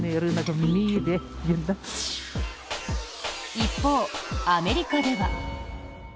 一方、アメリカでは。